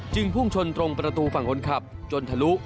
พุ่งชนตรงประตูฝั่งคนขับจนทะลุ